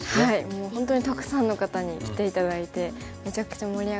もう本当にたくさんの方に来て頂いてめちゃくちゃ盛り上がりましたね。